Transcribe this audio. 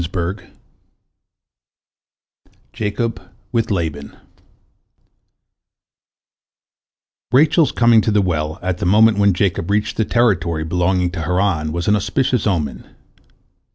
JACOB WITH LABAN Rachel's coming to the well at the moment when Jacob reached the territory belonging to Haran was an auspicious omen.